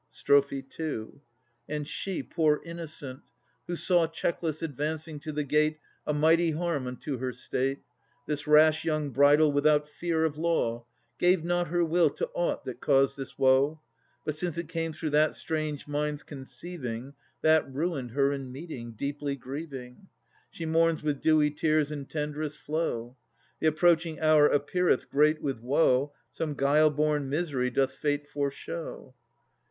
And she, poor innocent, who saw II 1 Checkless advancing to the gate A mighty harm unto her state, This rash young bridal without fear of law, Gave not her will to aught that caused this woe, But since it came through that strange mind's conceiving, That ruined her in meeting, deeply grieving, She mourns with dewy tears in tenderest flow. The approaching hour appeareth great with woe: Some guile born misery doth Fate foreshow.